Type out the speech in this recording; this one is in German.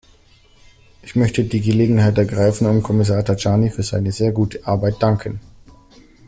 Ich möchte die Gelegenheit ergreifen und Kommissar Tajani für seine sehr gute Arbeit danken.